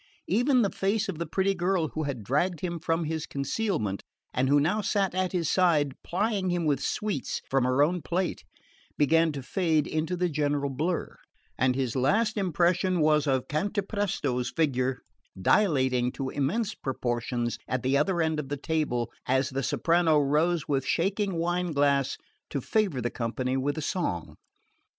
Even the face of the pretty girl who had dragged him from his concealment, and who now sat at his side, plying him with sweets from her own plate, began to fade into the general blur; and his last impression was of Cantapresto's figure dilating to immense proportions at the other end of the table, as the soprano rose with shaking wine glass to favour the company with a song.